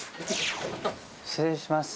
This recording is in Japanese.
失礼します。